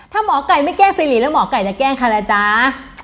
ถ้าหมอไก่ไม่แกล้งสิริแล้วหมอไก่จะแกล้งใครล่ะจ๊ะ